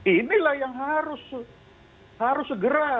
inilah yang harus segera